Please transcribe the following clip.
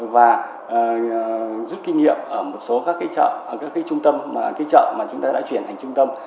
và giúp kinh nghiệm ở một số các cái chợ các cái trung tâm cái chợ mà chúng ta đã chuyển thành trung tâm